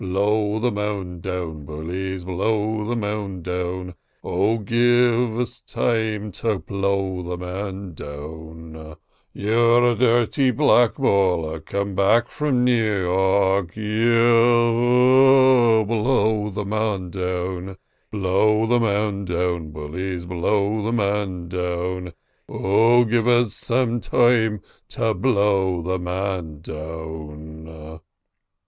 Blow the man down, bullies, blow the man down, Oh, give us time to blow the man down. You're a dhirty black baller come back from New York, Yeo ho! blow the man down, Blow the man down, bullies, blow the man down. Oh, give us time to blow the man down."